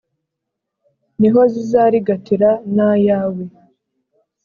ni ho zizarigatira n’ayawe’ ”